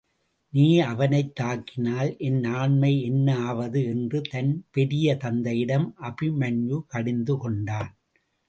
நீ அவனைத் தாக்கினால் என் ஆண்மை என்ன ஆவது என்று தன் பெரிய தந்தையிடம் அபிமன்யு கடிந்து கொண்டான்.